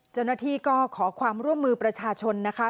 เจ้าหน้าที่ก็ขอความร่วมมือประชาชนนะคะ